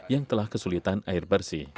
yang telah kesulitan air bersih